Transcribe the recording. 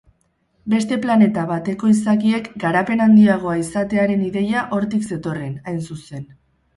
Beste planeta bateko izakiek garapen handiagoa izatearen ideia hortik zetorren, hain zuzen.